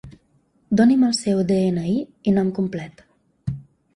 Doni'm el seu de-ena-i i nom complet.